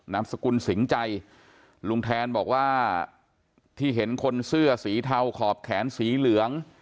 สกุลสิงใจลุงแทนบอกว่าที่เห็นคนเสื้อสีเทาขอบแขนสีเหลือง